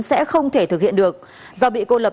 sẽ không thể thực hiện được do bị cô lập